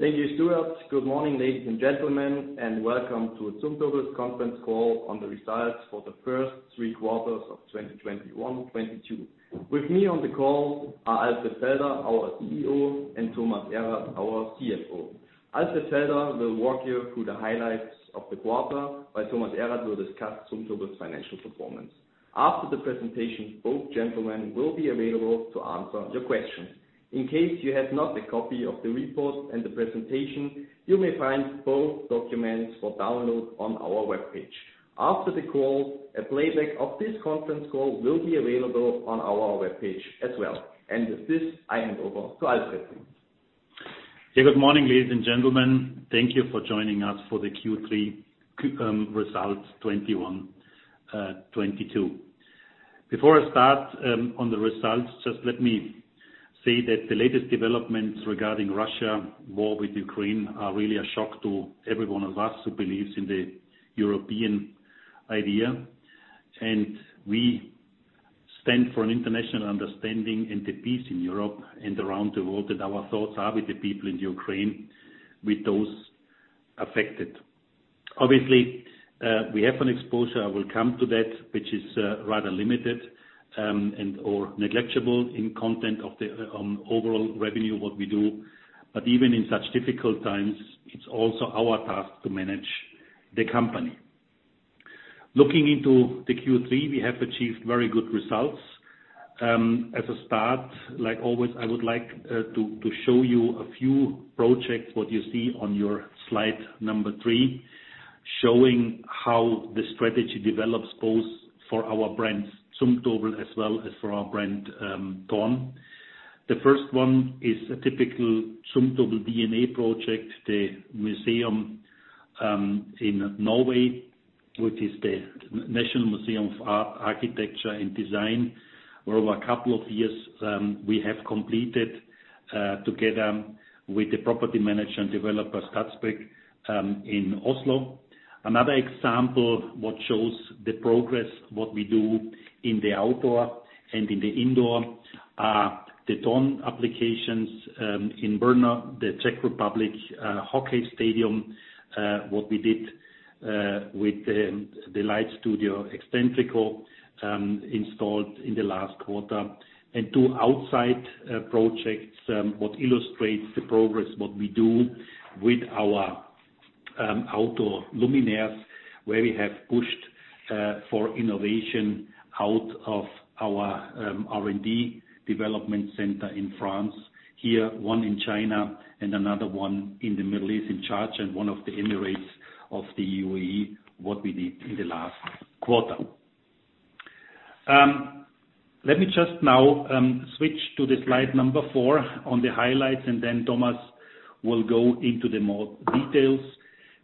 Thank you, Stuart. Good morning, ladies and gentlemen, and welcome to Zumtobel's conference call on the results for the first three quarters of 2021/2022. With me on the call are Alfred Felder, our CEO, and Thomas Erath, our CFO. Alfred Felder will walk you through the highlights of the quarter, while Thomas Erath will discuss Zumtobel's financial performance. After the presentation, both gentlemen will be available to answer your questions. In case you have not a copy of the report and the presentation, you may find both documents for download on our webpage. After the call, a playback of this conference call will be available on our webpage as well. With this, I hand over to Alfred. Yeah, good morning, ladies and gentlemen. Thank you for joining us for the Q3 results 2021, 2022. Before I start on the results, just let me say that the latest developments regarding Russia's war with Ukraine are really a shock to every one of us who believes in the European idea. We stand for an international understanding and the peace in Europe and around the world, and our thoughts are with the people in Ukraine with those affected. Obviously, we have an exposure, I will come to that, which is rather limited and/or negligible in context of the overall revenue, what we do. Even in such difficult times, it's also our task to manage the company. Looking into the Q3, we have achieved very good results. As a start, like always, I would like to show you a few projects, what you see on your slide Number 3, showing how the strategy develops both for our brand Zumtobel as well as for our brand Thorn. The first one is a typical Zumtobel DNA project, the museum in Norway, which is the National Museum of Art, Architecture and Design, where over a couple of years we have completed together with the property manager and developer, Statsbygg, in Oslo. Another example what shows the progress, what we do in the outdoor and in the indoor, the Thorn applications in Brno, the Czech Republic, hockey stadium what we did with the light studio Eccentrico, installed in the last quarter. Two outside projects that illustrates the progress we do with our outdoor luminaires, where we have pushed for innovation out of our R&D development center in France. Here, one in China and another one in the Middle East in Sharjah, and one of the Emirates of the UAE, what we did in the last quarter. Let me just now switch to the slide Number 4 on the highlights, and then Thomas will go into the more details.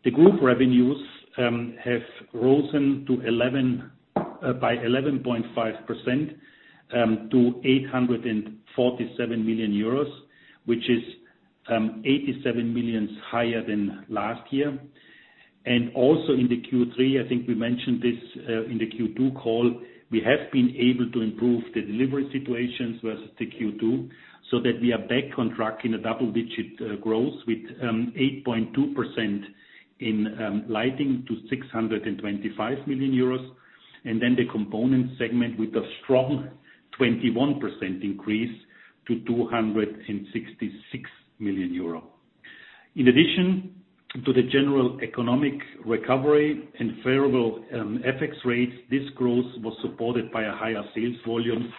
The group revenues have risen by 11.5% to 847 million euros, which is 87 million higher than last year. Also in the Q3, I think we mentioned this, in the Q2 call, we have been able to improve the delivery situations versus the Q2, so that we are back on track in a double-digit growth with 8.2% in Lighting to 625 million euros, and then the Component segment with a strong 21% increase to 266 million euro. In addition to the general economic recovery and favorable FX rates, this growth was supported by a higher sales volume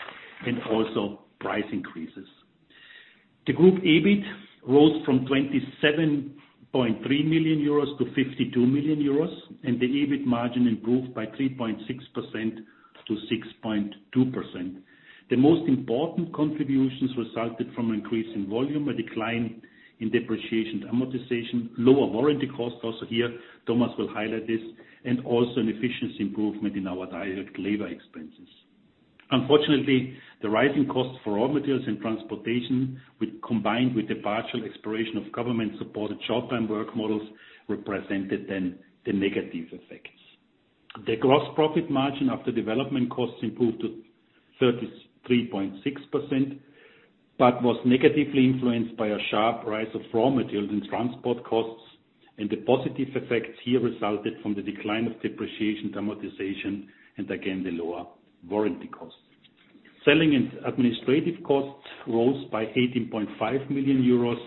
and also price increases. The group EBIT rose from 27.3 million euros to 52 million euros, and the EBIT margin improved by 3.6%-6.2%. The most important contributions resulted from an increase in volume, a decline in depreciation and amortization, lower warranty costs also here, Thomas will highlight this, and also an efficiency improvement in our direct labor expenses. Unfortunately, the rising cost for raw materials and transportation, combined with the partial expiration of government-supported short-term work models, represented then the negative effects. The gross profit margin after development costs improved to 33.6%, but was negatively influenced by a sharp rise of raw materials and transport costs, and the positive effects here resulted from the decline of depreciation and amortization, and again, the lower warranty costs. Selling and administrative costs rose by 18.5 million-232 million euros.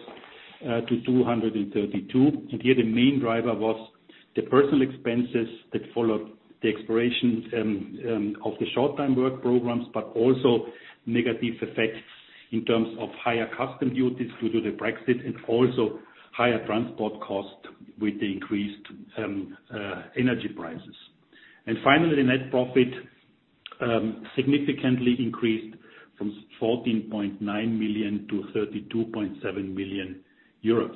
Here, the main driver was the personnel expenses that followed the expiration of the short-term work programs, but also negative effects in terms of higher customs duties due to the Brexit and also higher transport costs with the increased energy prices. Finally, net profit significantly increased from 14.9 million to 32.7 million euros.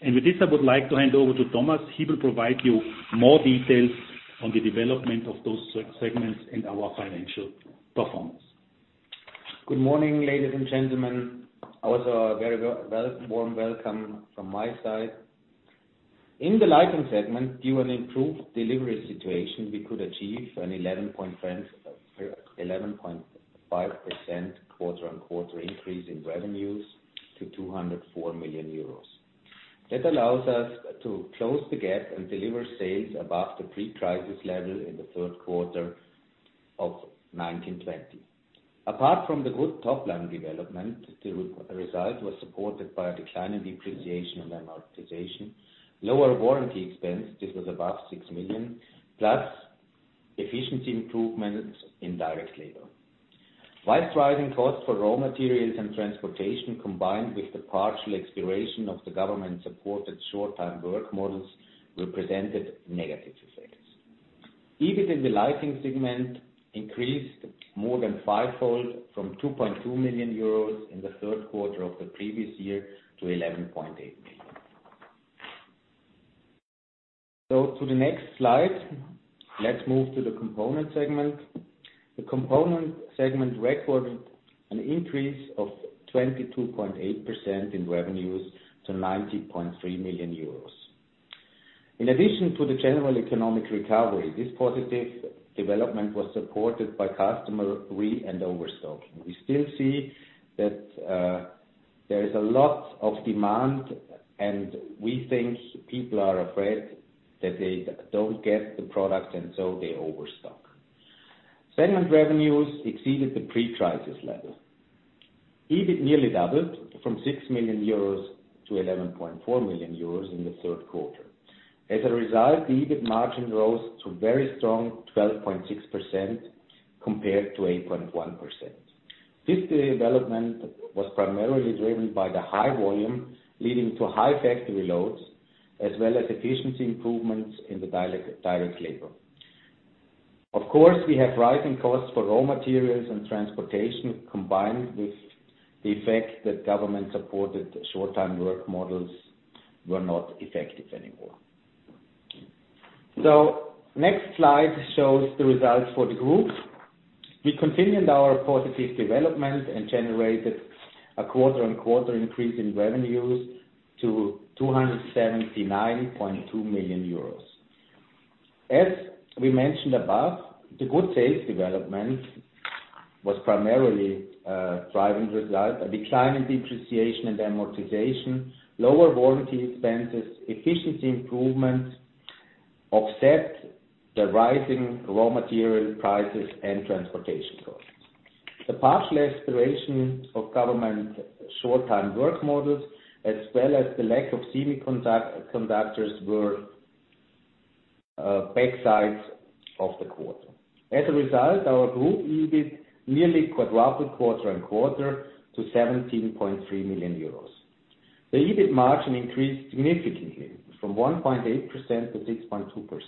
With this, I would like to hand over to Thomas Erath. He will provide you more details on the development of those segments and our financial performance. Good morning, ladies and gentlemen. Also a very warm welcome from my side. In the Lighting segment, due to an improved delivery situation, we could achieve an 11.5% quarter-on-quarter increase in revenues to 204 million euros. That allows us to close the gap and deliver sales above the pre-crisis level in the third quarter of 2019/2020. Apart from the good top-line development, the result was supported by a decline in depreciation and amortization, lower warranty expense, this was above 6 million, plus efficiency improvements in direct labor. Higher costs for raw materials and transportation, combined with the partial expiration of the government-supported short time work models, represented negative effects. EBIT in the Lighting segment increased more than fivefold from 2.2 million euros in the third quarter of the previous year to 11.8 million. To the next slide, let's move to the Component segment. The Component segment recorded an increase of 22.8% in revenues to 90.3 million euros. In addition to the general economic recovery, this positive development was supported by customer restocking and overstock. We still see that there is a lot of demand, and we think people are afraid that they don't get the product, and so they overstock. Segment revenues exceeded the pre-crisis level. EBIT nearly doubled from 6 million-11.4 million euros in the third quarter. As a result, the EBIT margin rose to very strong 12.6% compared to 8.1%. This development was primarily driven by the high volume, leading to high factory loads, as well as efficiency improvements in the direct labor. Of course, we have rising costs for raw materials and transportation combined with the effect that government-supported short time work models were not effective anymore. Next slide shows the results for the group. We continued our positive development and generated a quarter-on-quarter increase in revenues to 279.2 million euros. As we mentioned above, the good sales development was primarily driving results, a decline in depreciation and amortization, lower warranty expenses, efficiency improvements offset the rising raw material prices and transportation costs. The partial expiration of government short time work models, as well as the lack of semiconductors were setbacks of the quarter. As a result, our group EBIT nearly quadrupled quarter-on-quarter to 17.3 million euros. The EBIT margin increased significantly from 1.8%-6.2%.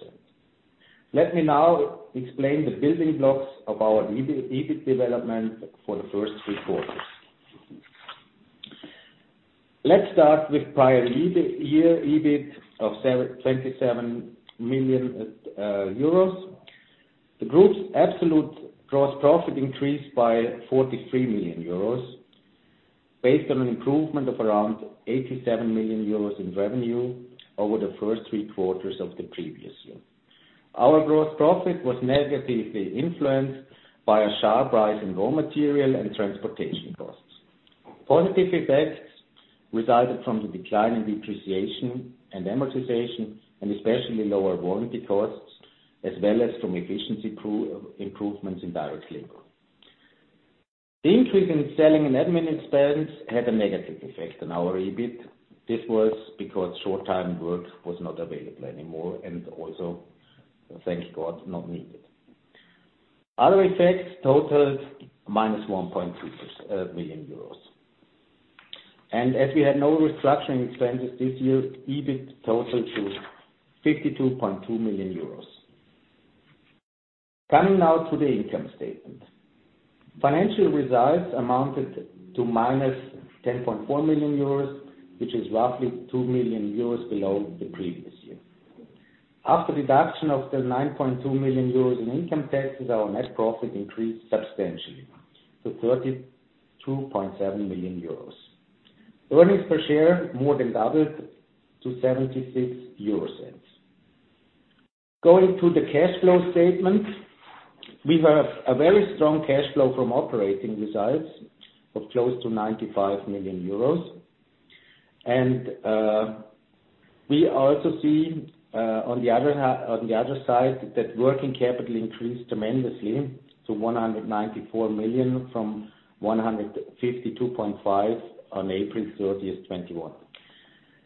Let me now explain the building blocks of our EBIT development for the first three quarters. Let's start with prior-year EBIT of 27 million euros. The group's absolute gross profit increased by 43 million euros based on an improvement of around 87 million euros in revenue over the first three quarters of the previous year. Our gross profit was negatively influenced by a sharp rise in raw material and transportation costs. Positive effects resulted from the decline in depreciation and amortization, and especially lower warranty costs, as well as from efficiency improvements in direct labor. The increase in selling and admin expense had a negative effect on our EBIT. This was because short time work was not available anymore and also, thank God, not needed. Other effects totaled -1.2 million euros. As we had no restructuring expenses this year, EBIT totaled to 52.2 million euros. Coming now to the income statement. Financial results amounted to -10.4 million euros, which is roughly 2 million euros below the previous year. After deduction of 9.2 million euros in income taxes, our net profit increased substantially to 32.7 million euros. Earnings per share more than doubled to 0.76. Going to the cash flow statement, we have a very strong cash flow from operating results of close to 95 million euros. We also see on the other side that working capital increased tremendously to 194 million from 152.5 million on April 30th, 2021.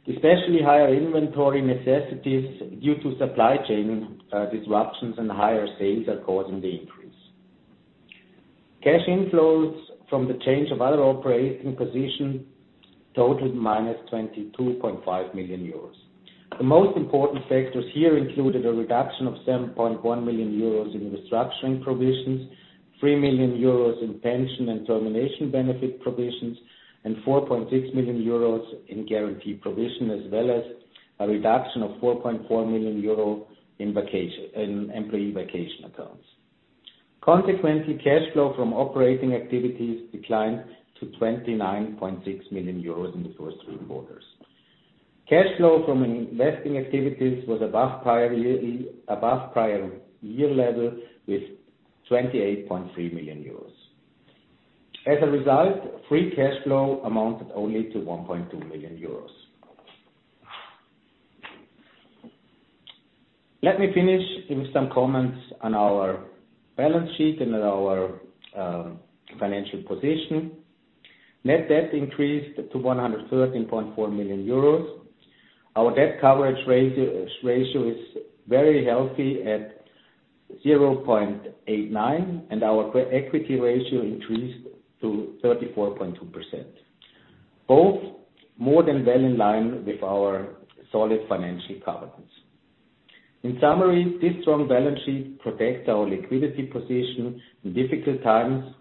Especially higher inventory necessities due to supply chain disruptions and higher sales are causing the increase. Cash inflows from the change of other operating positions totaled -22.5 million euros. The most important factors here included a reduction of 7.1 million euros in restructuring provisions, 3 million euros in pension and termination benefit provisions, and 4.6 million euros in guarantee provision, as well as a reduction of 4.4 million euro in employee vacation accounts. Consequently, cash flow from operating activities declined to 29.6 million euros in the first three quarters. Cash flow from investing activities was above prior year level with 28.3 million euros. As a result, free cash flow amounted only to 1.2 million euros. Let me finish with some comments on our balance sheet and on our financial position. Net debt increased to 113.4 million euros. Our debt coverage ratio is very healthy at 0.89, and our equity ratio increased to 34.2%, both more than well in line with our solid financial covenants. In summary, this strong balance sheet protects our liquidity position in difficult times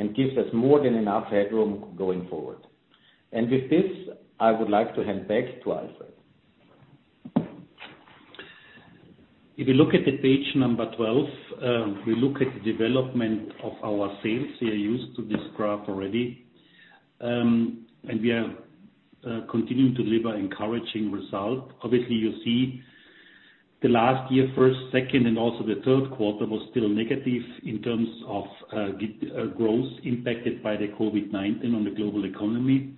and gives us more than enough headroom going forward. With this, I would like to hand back to Alfred. If you look at the page Number 12, we look at the development of our sales. We are used to this graph already, and we are continuing to deliver encouraging result. Obviously, you see the last year, first, second, and also the third quarter was still negative in terms of growth impacted by the COVID-19 on the global economy.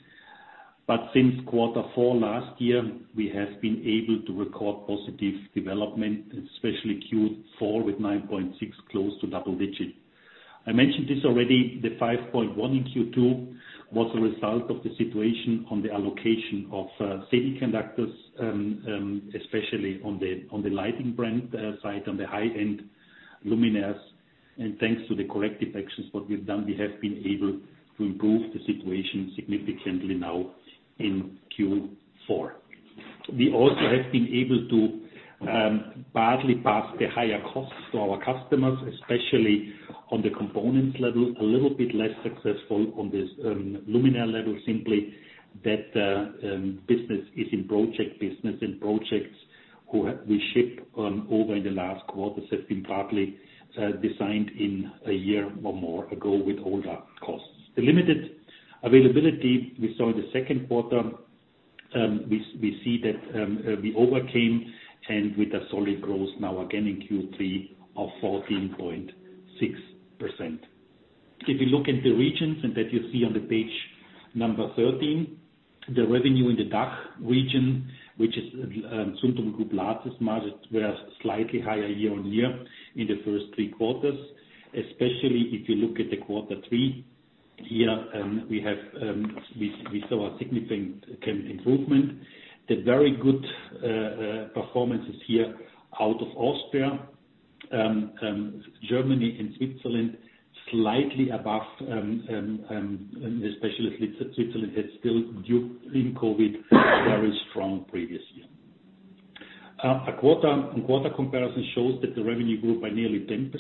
Since quarter four last year, we have been able to record positive development, especially Q4 with 9.6%, close to double-digit. I mentioned this already, the 5.1% in Q2 was a result of the situation on the allocation of semiconductors, especially on the Lighting brand side, on the high-end luminaires. Thanks to the corrective actions what we've done, we have been able to improve the situation significantly now in Q4. We also have been able to partly pass the higher costs to our customers, especially on the components level, a little bit less successful on this Luminaire level, simply that business is in project business. Projects we ship over in the last quarters have been partly designed in a year or more ago with older costs. The limited availability we saw in the second quarter, we see that we overcame and with a solid growth now again in Q3 of 14.6%. If you look at the regions, and that you see on page 13, the revenue in the DACH region, which is Zumtobel Group largest market, were slightly higher year-on-year in the first three quarters. Especially if you look at the quarter three here, we saw a significant improvement. The very good performances here out of Austria, Germany and Switzerland, slightly above, especially Switzerland, is still due to COVID very strong previous year. A quarter-on-quarter comparison shows that the revenue grew by nearly 10%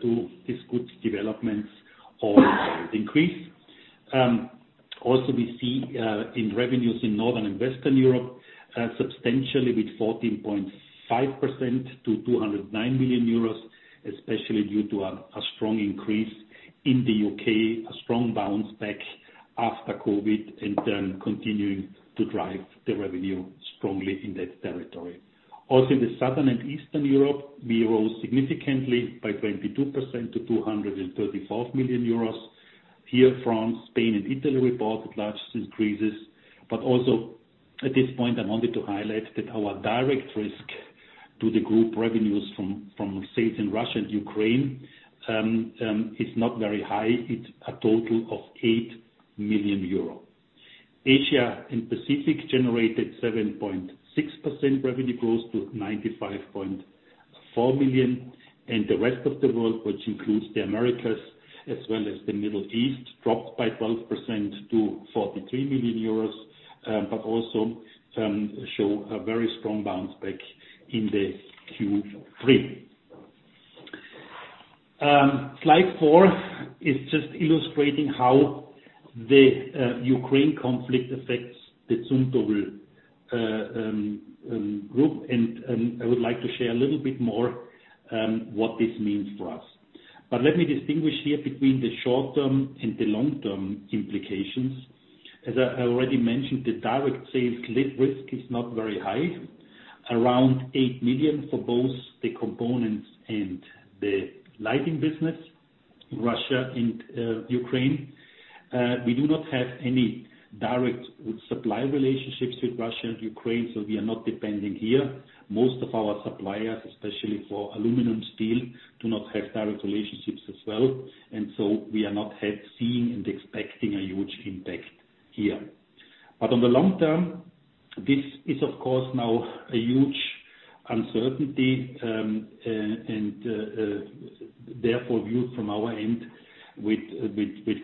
due to these good developments or increase. Also, we see an increase in revenues in Northern and Western Europe substantially by 14.5% to 209 million euros, especially due to a strong increase in the U.K., a strong bounce back after COVID, and then continuing to drive the revenue strongly in that territory. Also, in the Southern and Eastern Europe, we rose significantly by 22% to 234 million euros. In France, Spain, and Italy reported largest increases. Also at this point, I wanted to highlight that our direct risk to the group revenues from sales in Russia and Ukraine is not very high. It's a total of 8 million euro. Asia and Pacific generated 7.6% revenue growth to 95.4 million. The rest of the world, which includes the Americas as well as the Middle East, dropped by 12% to 43 million euros, but also show a very strong bounce back in the Q3. Slide 4 is just illustrating how the Ukraine conflict affects the Zumtobel Group, and I would like to share a little bit more what this means for us. Let me distinguish here between the short-term and the long-term implications. As I already mentioned, the direct sales risk is not very high, around 8 million for both the Components and the Lighting business, Russia and Ukraine. We do not have any direct supply relationships with Russia and Ukraine, so we are not dependent here. Most of our suppliers, especially for aluminum steel, do not have direct relationships as well, and so we are not seeing and expecting a huge impact here. On the long-term, this is of course now a huge uncertainty, therefore viewed from our end with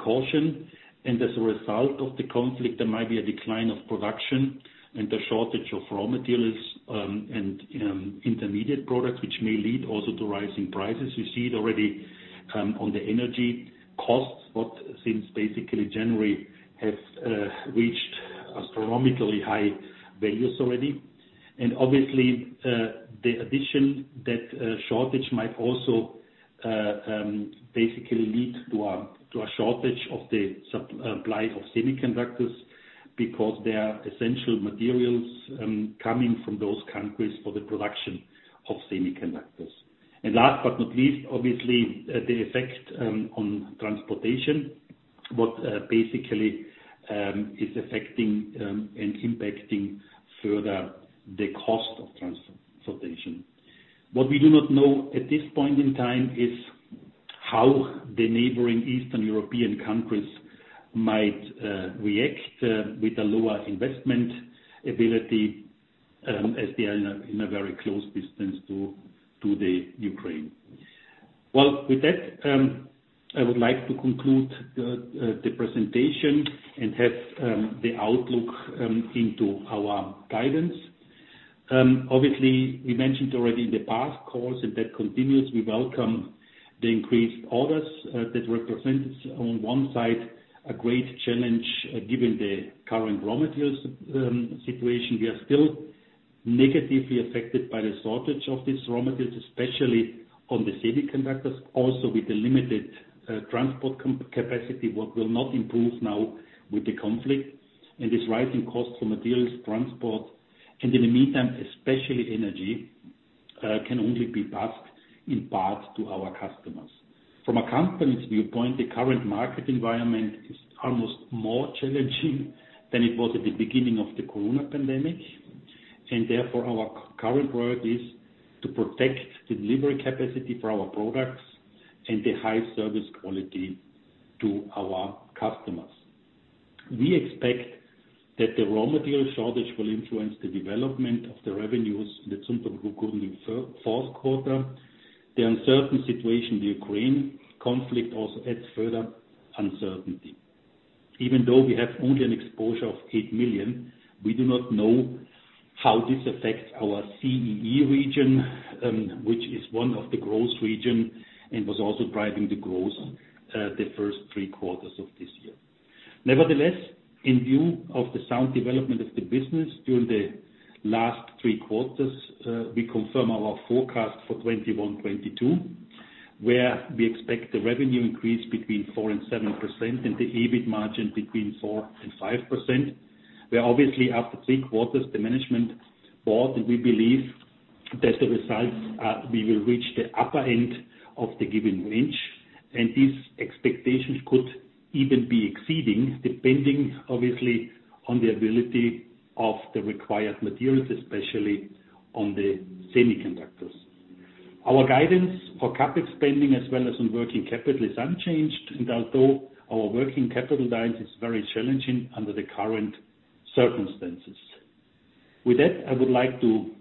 caution. As a result of the conflict, there might be a decline of production and a shortage of raw materials and intermediate products, which may lead also to rising prices. We see it already on the energy costs, but since basically January has reached astronomically high values already. Obviously, the addition that shortage might also basically lead to a shortage of the supply of semiconductors because they are essential materials coming from those countries for the production of semiconductors. Last but not least, obviously, the effect on transportation what basically is affecting and impacting further the cost of transportation. What we do not know at this point in time is how the neighboring Eastern European countries might react with a lower investment ability, as they are in a very close distance to the Ukraine. Well, with that, I would like to conclude the presentation and have the outlook into our guidance. Obviously, we mentioned already in the past calls, and that continues, we welcome the increased orders, that represents on one side a great challenge given the current raw materials situation. We are still negatively affected by the shortage of these raw materials, especially on the semiconductors, also with the limited transport capacity, what will not improve now with the conflict. This rising cost for materials, transport, and in the meantime, especially energy, can only be passed in part to our customers. From a company's viewpoint, the current market environment is almost more challenging than it was at the beginning of the corona pandemic, and therefore, our current priority is to protect the delivery capacity for our products and the high service quality to our customers. We expect that the raw material shortage will influence the development of the revenues in the Zumtobel Group third-fourth quarter. The uncertain situation in the Ukraine conflict also adds further uncertainty. Even though we have only an exposure of 8 million, we do not know how this affects our CEE region, which is one of the growth regions and was also driving the growth, the first three quarters of this year. Nevertheless, in view of the sound development of the business during the last three quarters, we confirm our forecast for 2021, 2022, where we expect the revenue increase between 4%-7% and the EBIT margin between 4%-5%, where obviously after three quarters, the Management Board, we believe that the results, we will reach the upper end of the given range. These expectations could even be exceeding, depending obviously on the ability of the required materials, especially on the semiconductors. Our guidance for CapEx spending as well as on working capital is unchanged, although our working capital guidance is very challenging under the current circumstances. With that, I would like to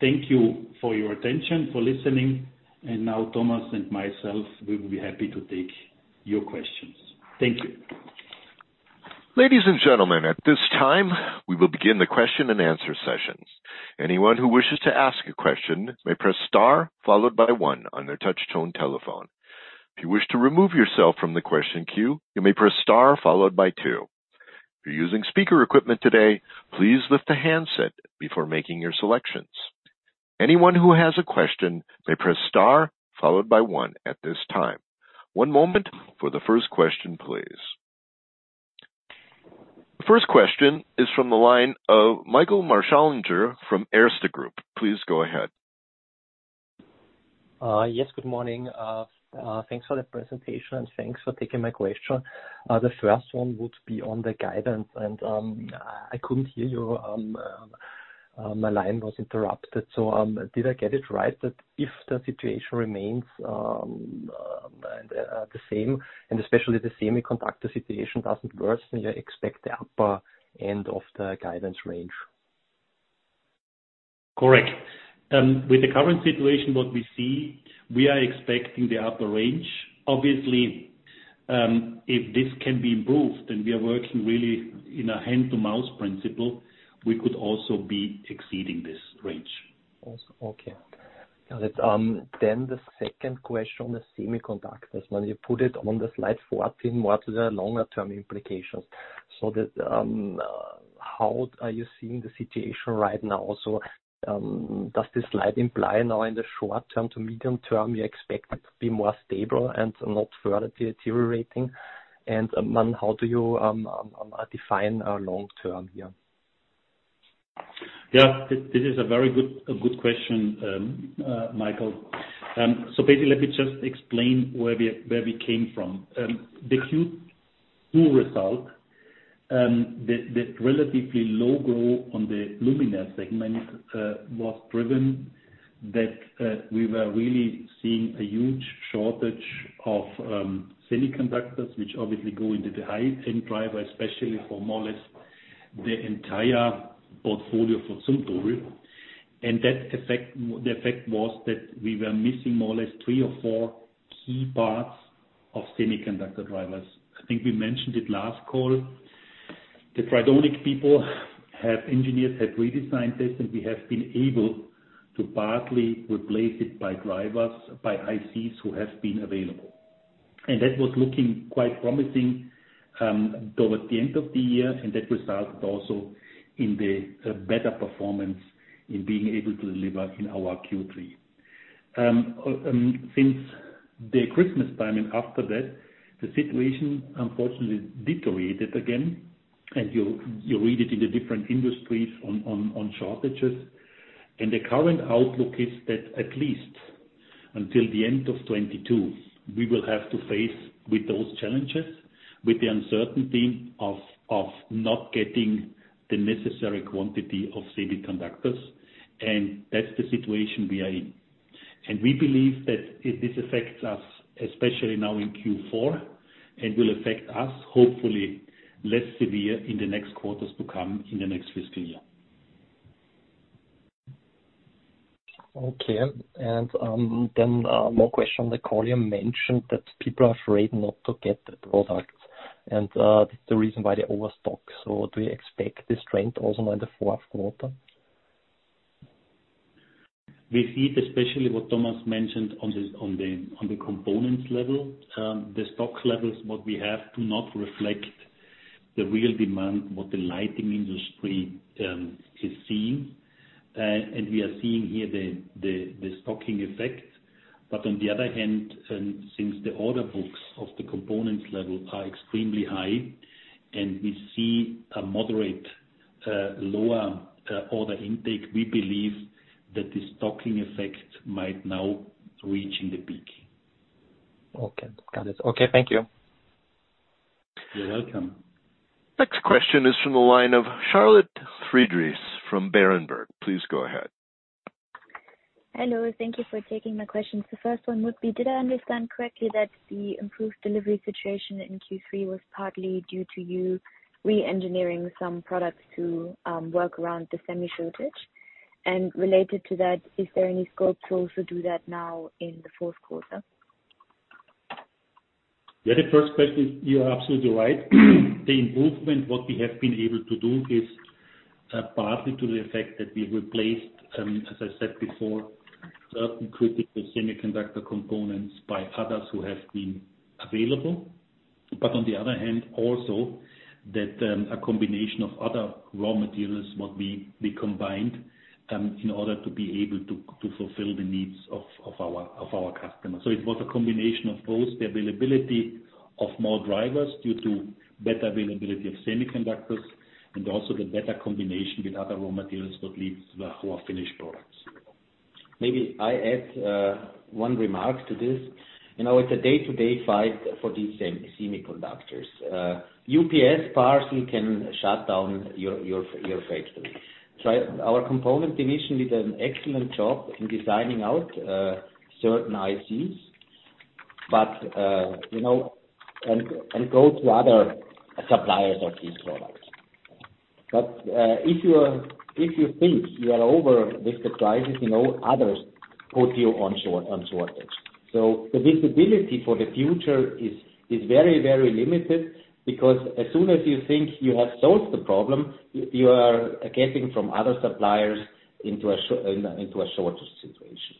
thank you for your attention, for listening, and now Thomas Erath and myself, we will be happy to take your questions. Thank you. Ladies and gentlemen at this time we will begin the question-and-answer session. Anyone who wishes to ask a question may press Star followed by one on the touch tone telephone. If you wish to remove yourself from the question queue you may press Star followed by two. If you are using speaker equipment today please lift the handset before making your selections. Anyone who has a question may press Star followed by one at this time. One moment for the first question please The first question is from the line of Michael Marschallinger from Erste Group. Please go ahead. Yes. Good morning. Thanks for the presentation, and thanks for taking my question. The first one would be on the guidance and, I couldn't hear you, my line was interrupted. Did I get it right that if the situation remains the same, and especially the semiconductor situation doesn't worsen, you expect the upper end of the guidance range? Correct. With the current situation, what we see, we are expecting the upper range. Obviously, if this can be improved, and we are working really in a hand-to-mouth principle, we could also be exceeding this range. Okay. That's the second question on the semiconductors. When you put it on the Slide 14, what are the longer term implications? How are you seeing the situation right now? Does this slide imply now in the short-term to medium-term, you expect it to be more stable and not further deteriorating? How do you define long term here? This is a very good question, Michael. Basically, let me just explain where we came from. The Q2 result, the relatively low growth on the Luminaire segment was driven by the fact that we were really seeing a huge shortage of semiconductors, which obviously go into the high-end driver, especially for more or less the entire portfolio for Zumtobel Group. That effect was that we were missing more or less three or four key parts of semiconductor drivers. I think we mentioned it last call. The Tridonic people have engineers have redesigned this, and we have been able to partly replace it by drivers, by ICs who have been available. That was looking quite promising towards the end of the year, and that resulted also in the better performance in being able to deliver in our Q3. Since Christmas time and after that, the situation unfortunately deteriorated again, and you read it in the different industries on shortages. The current outlook is that at least until the end of 2022, we will have to face with those challenges, with the uncertainty of not getting the necessary quantity of semiconductors. That's the situation we are in. We believe that this affects us, especially now in Q4, and will affect us hopefully less severe in the next quarters to come in the next fiscal year. Okay. Then one question. The call you mentioned that people are afraid not to get the products and the reason why they overstock. Do you expect this trend also in the fourth quarter? We see it especially what Thomas mentioned on the Components level. The stock levels what we have do not reflect the real demand what the Lighting industry is seeing. We are seeing here the stocking effect. On the other hand, and since the order books of the Components level are extremely high and we see a moderate lower order intake, we believe that the stocking effect might now reaching the peak. Okay. Got it. Okay. Thank you. You're welcome. Next question is from the line of Charlotte Friedrichs from Berenberg. Please go ahead. Hello. Thank you for taking my questions. The first one would be, did I understand correctly that the improved delivery situation in Q3 was partly due to you re-engineering some products to work around the semi shortage? Related to that, is there any scope to also do that now in the fourth quarter? Yeah, the first question, you are absolutely right. The improvement, what we have been able to do is partly to the effect that we replaced, as I said before, certain critical semiconductor components by others who have been available. But on the other hand, also that a combination of other raw materials, what we combined in order to be able to fulfill the needs of our customers. It was a combination of both the availability of more drivers due to better availability of semiconductors and also the better combination with other raw materials that leads to our finished products. Maybe I add one remark to this. You know, it's a day-to-day fight for these semiconductors. UPS parcel can shut down your factory. Our Component division did an excellent job in designing out certain ICs, but you know, and go to other suppliers of these products. But if you think you are over this crisis, you know, others put you on shortage. The visibility for the future is very, very limited because as soon as you think you have solved the problem, you are getting from other suppliers into a shortage situation.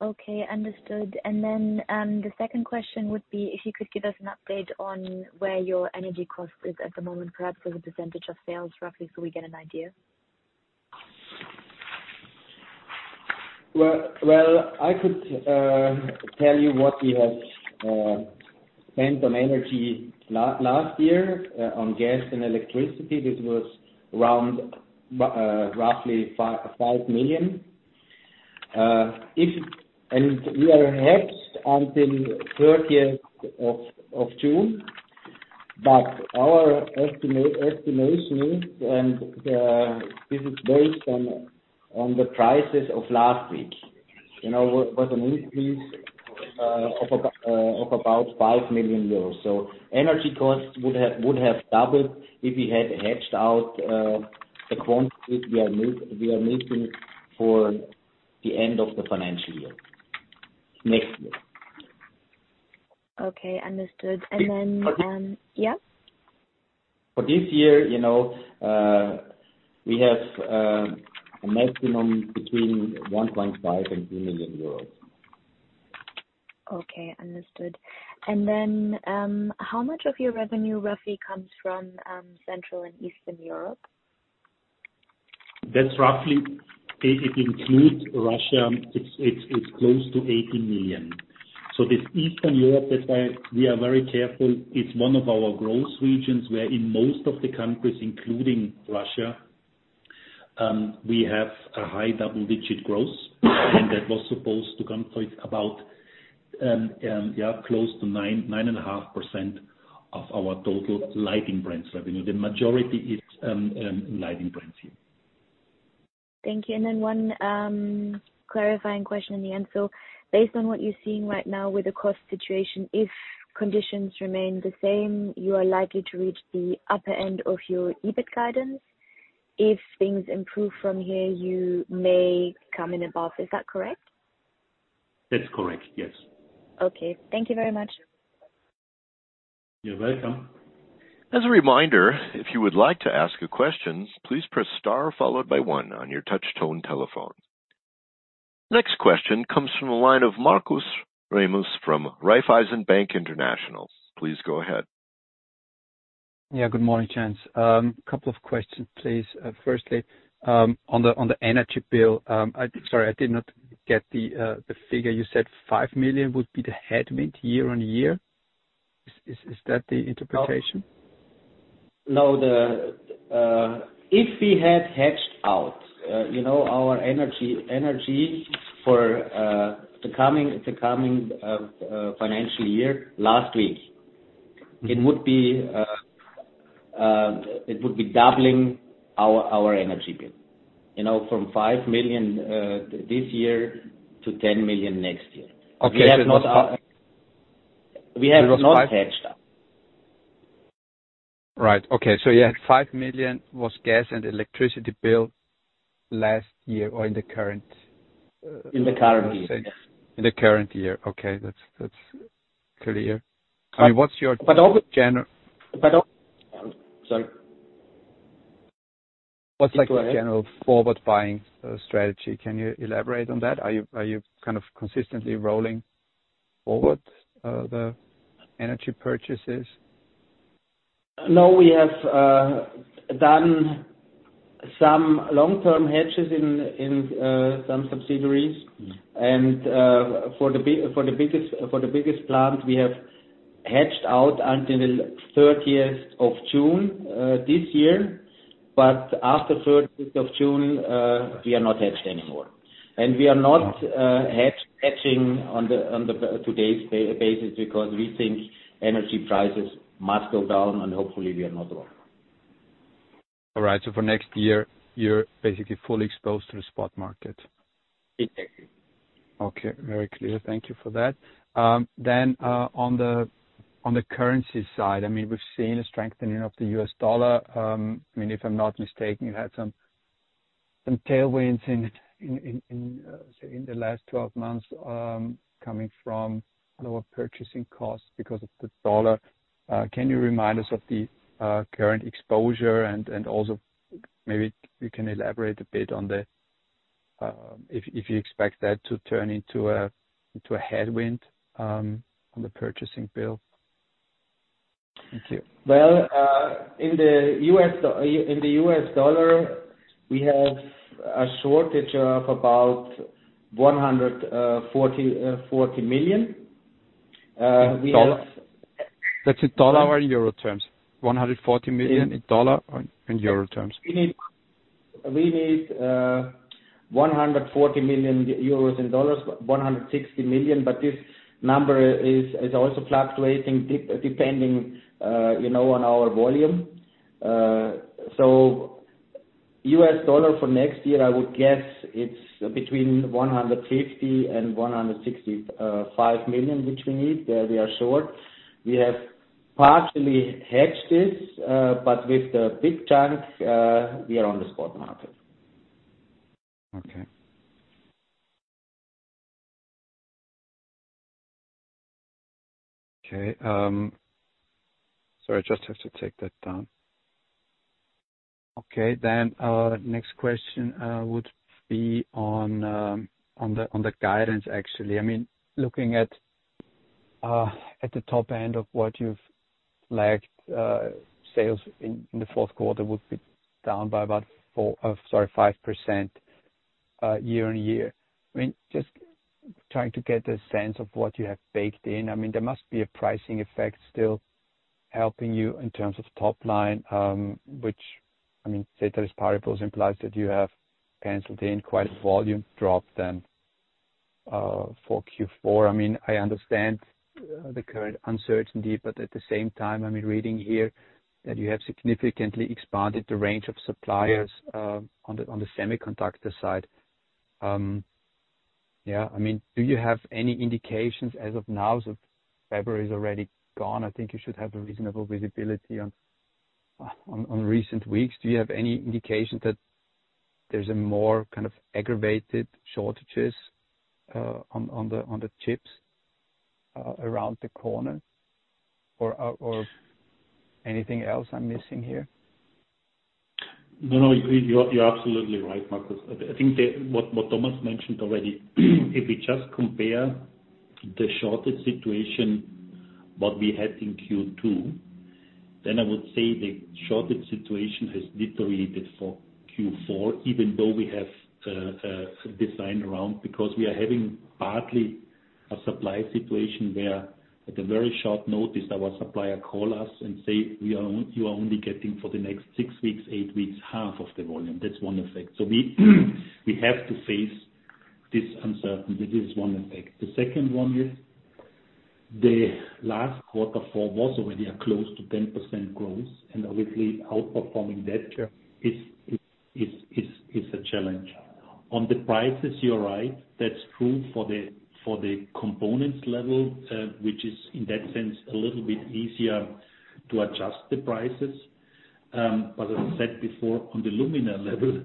Okay, understood. The second question would be if you could give us an update on where your energy cost is at the moment, perhaps as a percentage of sales, roughly, so we get an idea. Well, I could tell you what we have spent on energy last year on gas and electricity. This was around roughly 5 million. We are hedged until thirtieth of June. Our estimation is this is based on the prices of last week. You know, there was an increase of about 5 million euros. Energy costs would have doubled if we had hedged out the quantity we are missing for the end of the financial year next year. Okay, understood. For this. Yeah. For this year, you know, we have a maximum between 1.5 million and 2 million euros. Okay, understood. How much of your revenue roughly comes from Central and Eastern Europe? That's roughly, if it includes Russia, it's close to 80 million. This Eastern Europe, that's why we are very careful. It's one of our growth regions where in most of the countries, including Russia, we have a high double-digit growth. That was supposed to come to about close to 9.5% of our total Lighting brands revenue. The majority is Lighting brands here. Thank you. One clarifying question in the end. Based on what you're seeing right now with the cost situation, if conditions remain the same, you are likely to reach the upper end of your EBIT guidance. If things improve from here, you may come in above. Is that correct? That's correct, yes. Okay. Thank you very much. You're welcome. As a reminder, if you would like to ask a question, please press Star followed by one on your touch tone telephone. Next question comes from the line of Markus Remis from Raiffeisen Bank International. Please go ahead. Yeah. Good morning, gents. Couple of questions, please. Firstly, on the energy bill. Sorry, I did not get the figure. You said 5 million would be the headwind year-over-year. Is that the interpretation? No. If we had hedged out, you know, our energy for the coming financial year last week, it would be doubling our Energy bill, you know, from 5 million this year to 10 million next year. Okay. We have not hedged up. Right. Okay. Yeah, 5 million was gas and electricity bill last year or in the current. In the current year. In the current year. Okay. That's clear. I mean, what's your gener- Sorry. What's like the general forward buying strategy? Can you elaborate on that? Are you kind of consistently rolling forward the energy purchases? No. We have done some long-term hedges in some subsidiaries. For the biggest plant we have hedged out until 30th of June this year. After thirtieth of June we are not hedged anymore. We are not hedging on today's basis because we think energy prices must go down, and hopefully we are not wrong. All right. For next year you're basically fully exposed to the spot market. Exactly. Okay. Very clear. Thank you for that. On the currency side, I mean, we've seen a strengthening of the U.S. dollar. I mean, if I'm not mistaken, you had some tailwinds in, say, in the last 12 months, coming from lower purchasing costs because of the dollar. Can you remind us of the current exposure and also maybe you can elaborate a bit on if you expect that to turn into a headwind on the purchasing bill? Thank you. Well, in the U.S. dollar, we have a shortage of about $140 million. We have. dollar? That's in dollar or in euro terms? 140 million in dollar or in euro terms. We need 140 million euros in dollars, $160 million. This number is also fluctuating depending, you know, on our volume. U.S. dollar for next year, I would guess it's between $150 million and $165 million, which we need. We are short. We have partially hedged this, but with the big chunk, we are on the spot market. Sorry, I just have to take that down. Next question would be on the guidance, actually. I mean, looking at the top end of what you've laid, sales in the fourth quarter would be down by about 5% year-on-year. I mean, just trying to get a sense of what you have baked in. I mean, there must be a pricing effect still helping you in terms of top line, which I mean, ceteris paribus implies that you have baked in quite a volume drop then for Q4. I mean, I understand the current uncertainty, but at the same time, I'm reading here that you have significantly expanded the range of suppliers on the Semiconductor side. Yeah, I mean, do you have any indications as of now? February is already gone. I think you should have a reasonable visibility on recent weeks. Do you have any indication that there's a more kind of aggravated shortages on the chips around the corner or anything else I'm missing here? No, you're absolutely right, Marcus. I think that what Thomas mentioned already, if we just compare the shortage situation, what we had in Q2, then I would say the shortage situation has deteriorated for Q4, even though we have designed around because we are having partly a supply situation where at the very short notice our supplier call us and say, You are only getting for the next 6 weeks, 8 weeks, half of the volume. That's one effect. We have to face this uncertainty. This is one effect. The second one is the last quarter, Q4, was already a close to 10% growth, and obviously outperforming that is a challenge. On the prices, you're right. That's true for the Components level, which is in that sense a little bit easier to adjust the prices. As I said before, on the Luminaire level,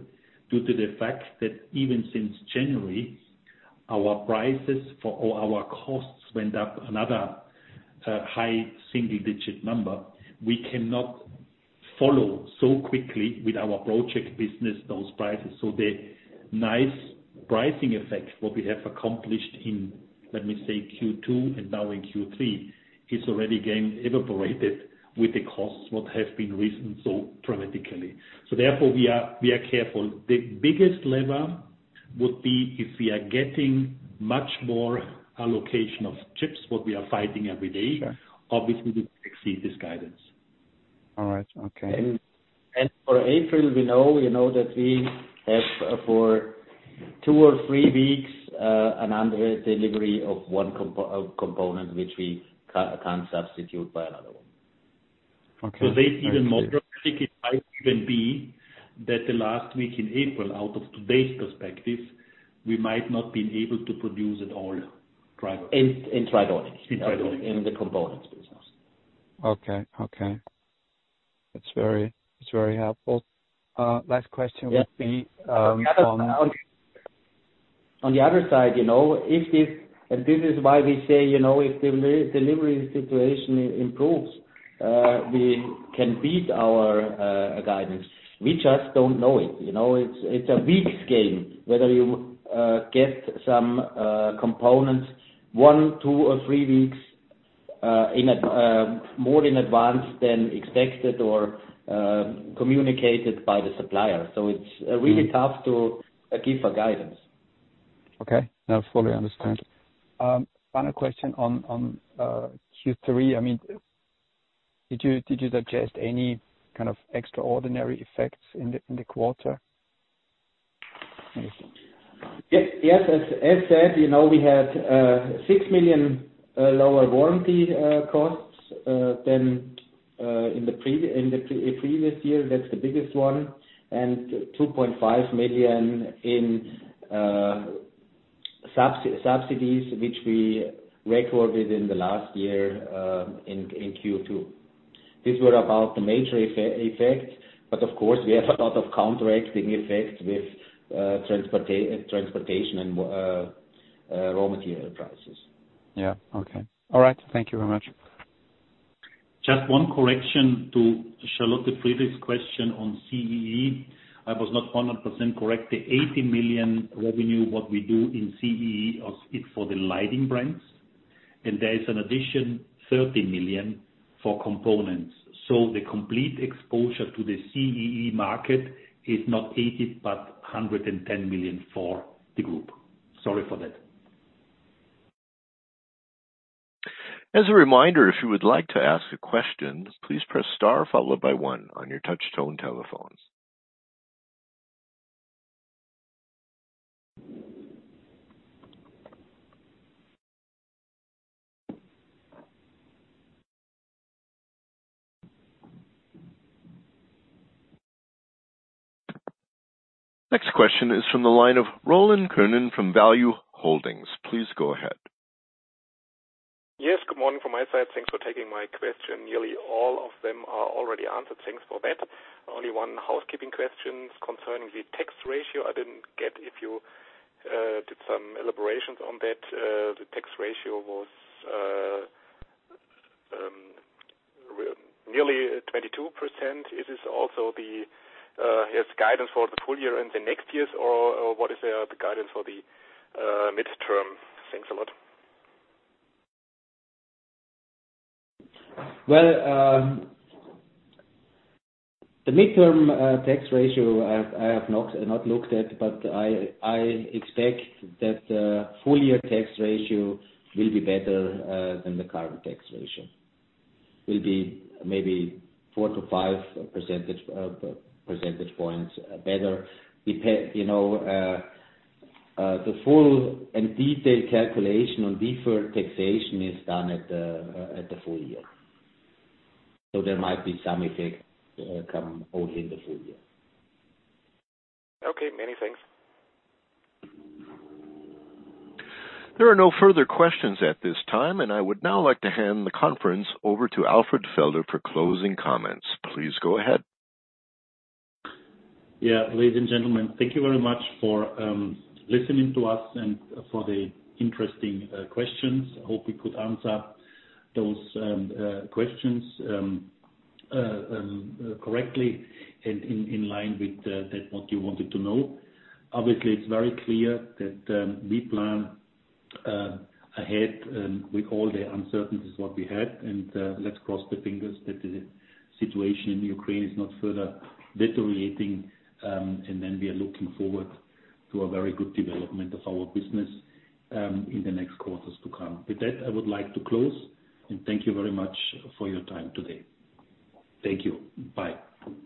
due to the fact that even since January, our prices for all our costs went up another high single-digit number. We cannot follow so quickly with our Project business, those prices. The nice pricing effect, what we have accomplished in, let me say Q2 and now in Q3, is already getting evaporated with the costs, what have been risen so dramatically. Therefore we are careful. The biggest lever would be if we are getting much more allocation of chips, what we are fighting every day. Sure. Obviously we exceed this guidance. All right. Okay. For April, we know, you know, that we have for two or three weeks another delivery of one component, which we can't substitute by another one. Okay. They even more dramatic. It might even be that the last week in April, out of today's perspective, we might not have been able to produce at all Tridonic. In Tridonic. In Tridonic. In the Components business. Okay. That's very helpful. Last question would be, on- On the other side, you know, and this is why we say, you know, if the delivery situation improves, we can beat our guidance. We just don't know it, you know, it's a waiting game, whether you get some Components 1, 2, or 3 weeks more in advance than expected or communicated by the supplier. So it's really tough to give a guidance. Okay. I fully understand. Final question on Q3. I mean, did you suggest any kind of extraordinary effects in the quarter? As said, you know, we had 6 million lower warranty costs than in the previous year. That's the biggest one. 2.5 Million in subsidies, which we recorded in the last year, in Q2. These were about the major effect. Of course, we have a lot of counteracting effects with transportation and raw material prices. Yeah. Okay. All right. Thank you very much. Just one correction to Charlotte Friedrichs' question on CEE. I was not 100% correct. The 80 million revenue what we do in CEE is for the Lighting brands, and there is an additional 30 million for components. The complete exposure to the CEE market is not 80, but 110 million for the group. Sorry for that. As a reminder, if you would like to ask a question, please press Star followed by one on your touch tone telephones. Next question is from the line of Roland Könen from Value-Holdings. Please go ahead. Yes, good morning from my side. Thanks for taking my question. Nearly all of them are already answered. Thanks for that. Only one housekeeping questions concerning the tax rate. I didn't get if you did some elaborations on that. The tax rate was nearly 22%. It is also its guidance for the full-year and the next years or what is the guidance for the midterm? Thanks a lot. The mid-term tax ratio I have not looked at, but I expect that the full-year tax ratio will be better than the current tax ratio, maybe 4%-5% points better. You know, the full and detailed calculation on deferred taxation is done at the full-year. There might be some effect come only in the full year. Okay. Many thanks. There are no further questions at this time, and I would now like to hand the conference over to Alfred Felder for closing comments. Please go ahead. Yeah. Ladies and gentlemen, thank you very much for listening to us and for the interesting questions. I hope we could answer those questions correctly in line with what you wanted to know. Obviously, it's very clear that we plan ahead with all the uncertainties that we had. Let's cross the fingers that the situation in Ukraine is not further deteriorating. We are looking forward to a very good development of our business in the next quarters to come. With that, I would like to close and thank you very much for your time today. Thank you. Bye.